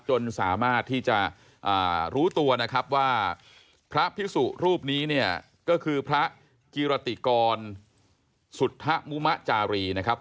จนสามารถที่จะรู้ตัวนะครับว่าพระพิสุรูปนี้เนี่ยก็คือพระกิรติกรสุธมุมะจารีนะครับ